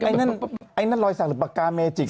ไอ้นั่นรอยสักหรือปากกาเมจิก